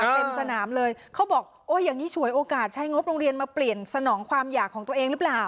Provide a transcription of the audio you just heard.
เต็มสนามเลยเขาบอกโอ้ยอย่างนี้ฉวยโอกาสใช้งบโรงเรียนมาเปลี่ยนสนองความอยากของตัวเองหรือเปล่า